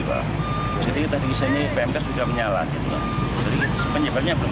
jadi tadi saya nanya